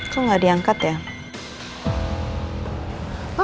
kok ga diangkat ya